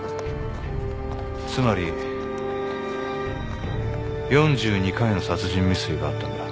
つまり４２回の殺人未遂があったんだ。